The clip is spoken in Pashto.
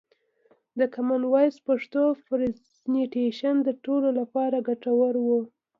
د کومن وایس پښتو پرزنټیشن د ټولو لپاره ګټور و.